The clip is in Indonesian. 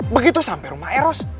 begitu sampai rumah eros